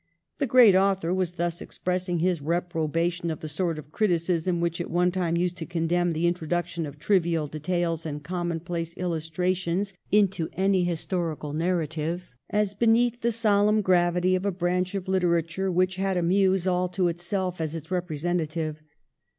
The great author was thus expressing his reprobation of the sort of criticism which at one time used to condemn the introduction of trivial details and commonplace illustrations into any historical narrative, as beneath the solemn gravity of a branch of literature which had a Muse all to itself as its representative.